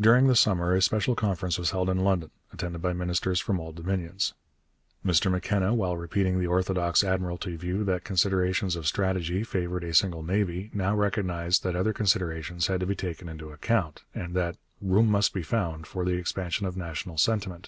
During the summer a special Conference was held in London, attended by ministers from all the Dominions. Mr M'Kenna, while repeating the orthodox Admiralty view that considerations of strategy favoured a single navy, now recognized that other considerations had to be taken into account, and that 'room must be found for the expression of national sentiment....